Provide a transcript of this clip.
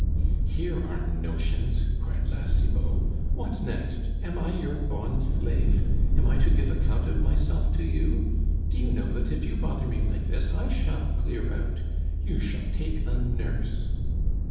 "Here are notions!" cried La Cibot. "What next! Am I your bond slave? Am I to give account of myself to you? Do you know that if you bother me like this, I shall clear out! You shall take a nurse."